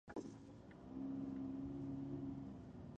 هغه موږکان چې د بیزو بکتریاوې لري، ښې زده کړې وکړې.